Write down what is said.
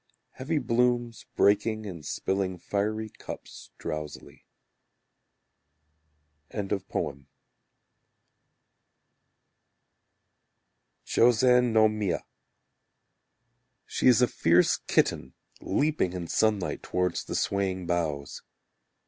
Heavy blooms Breaking and spilling fiery cups Drowsily. Josan No Miya She is a fierce kitten leaping in sunlight Towards the swaying boughs.